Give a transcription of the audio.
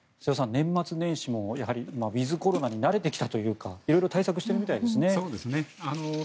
年末年始もやはりウィズコロナに慣れてきたというか色々対策してるみたいですね。